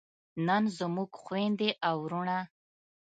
نن زموږ خویندې او وروڼه